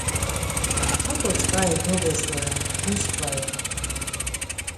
Hako tzǩari dobes doren, gyustvare.